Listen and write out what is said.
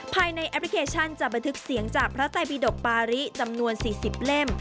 แอปพลิเคชันจะบันทึกเสียงจากพระไตบิดกปาริจำนวน๔๐เล่ม